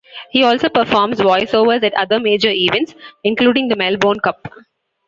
He also performs voiceovers at other major events, including the Melbourne Cup.